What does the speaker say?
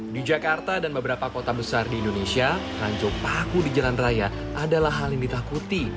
di jakarta dan beberapa kota besar di indonesia ranjau paku di jalan raya adalah hal yang ditakuti